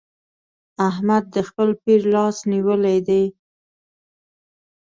احمد د خپل پير لاس نيولی دی.